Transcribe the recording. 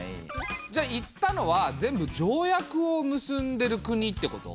じゃあ行ったのは全部条約を結んでる国ってこと？